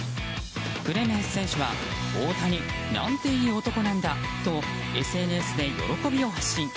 クレメンス選手は大谷、なんていい男なんだ！とＳＮＳで喜びを発信。